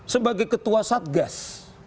sebagai ketua satgas